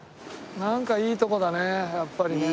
なんかいいとこだねやっぱりね。